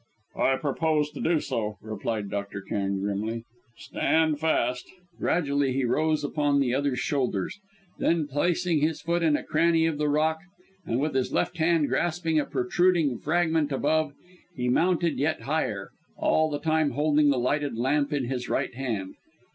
"I proposed to do so," replied Dr. Cairn grimly. "Stand fast!" Gradually he rose upright upon the other's shoulders; then, placing his foot in a cranny of the rock, and with his left hand grasping a protruding fragment above, he mounted yet higher, all the time holding the lighted lamp in his right hand.